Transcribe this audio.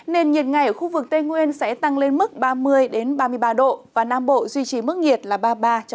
nền nhiệt ngày ở khu vực tây nguyên sẽ tăng lên mức ba mươi ba mươi ba độ và nam bộ duy trì mức nhiệt là ba mươi ba ba mươi